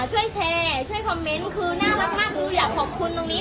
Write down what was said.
ช่วยแชร์ช่วยคอมเมนต์คือน่ารักมากคืออยากขอบคุณตรงนี้